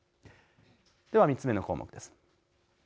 では３つ目の項目です。